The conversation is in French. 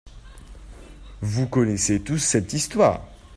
Vous connaissez tous cette histoire.